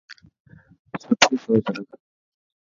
سٺي سوچ رک.